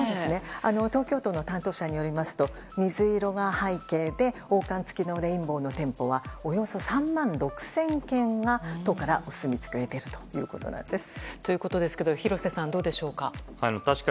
東京都の担当者によりますと水色が背景で王冠付きのレインボーの店舗はおよそ３万６０００軒が都からお墨付きを得ているということなんです。ということですが廣瀬さん、どうでしょうか。